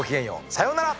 さようなら。